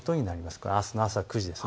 これはあすの朝９時です。